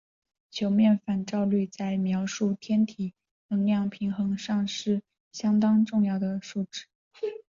球面反照率在描述天体能量平衡上是相当重要的数值。